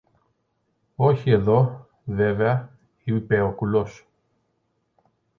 Όχι εδώ, βέβαια, είπε ο κουλός.